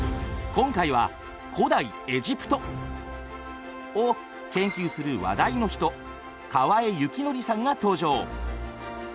今回は古代エジプト！を研究する話題の人河江肖剰さんが登場！